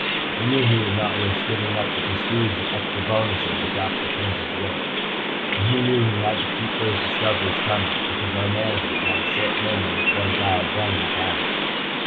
We knew he would not risk giving up the prestige and extra bonuses he got for Kenzie's work. And he knew he had to keep those discoveries coming, because our management has a short memory of what a guy has done in the past.